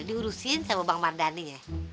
diurusin sama bang mardhani ya